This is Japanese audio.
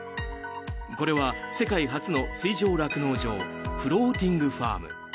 これは世界初の水上酪農場フローティングファーム。